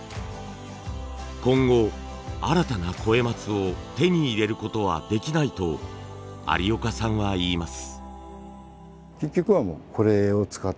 今後新たな肥松を手に入れることはできないと有岡さんは言います。